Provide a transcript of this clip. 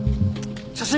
写真！